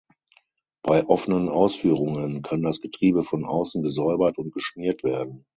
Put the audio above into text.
Bei offenen Ausführungen kann das Getriebe von außen gesäubert und geschmiert werden.